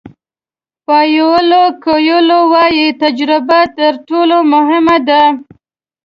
پاویلو کویلو وایي تجربه تر ټولو مهمه ده.